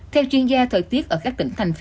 theo chuyên gia thời tiết ở các tỉnh thành phố